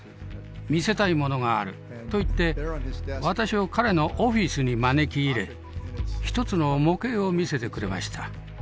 「見せたいものがある」と言って私を彼のオフィスに招き入れ１つの模型を見せてくれました。